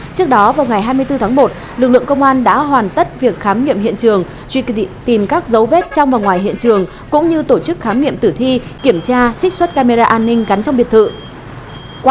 trước đó vào ngày hai mươi bốn tháng một lực lượng công an đã hoàn tất việc khám nghiệm hiện trường truy tìm tìm các dấu vết trong và ngoài hiện trường cũng như tổ chức khám nghiệm tử thi kiểm tra trích xuất camera an ninh cắn trong biệt thự